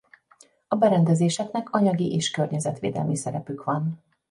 A berendezéseknek anyagi és környezetvédelmi szerepük van.